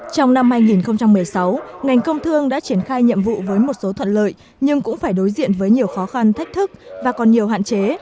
trong năm hai nghìn một mươi sáu ngành công thương đã triển khai nhiệm vụ với một số thuận lợi nhưng cũng phải đối diện với nhiều khó khăn thách thức và còn nhiều hạn chế